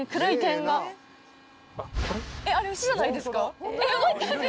あれ牛じゃないですか？